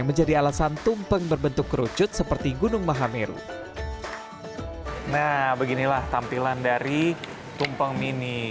nah beginilah tampilan dari tumpeng mini